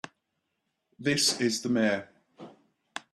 This is the Mayor.